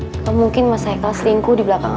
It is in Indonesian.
atau mungkin mas haikal selingkuh di belakang